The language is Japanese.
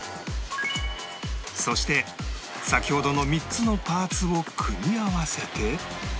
そして先ほどの３つのパーツを組み合わせて